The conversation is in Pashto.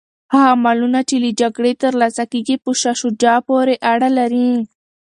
هغه مالونه چي له جګړې ترلاسه کیږي په شاه شجاع پوري اړه لري.